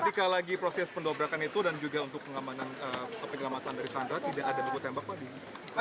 apakah lagi proses pendobrakan itu dan juga untuk pengamanan pengelamatan dari sandra tidak ada yang menembak pak